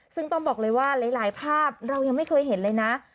ซึ่งต้องบอกเลยว่าหลายภาพเรายังไม่เคยเห็นเลยนะ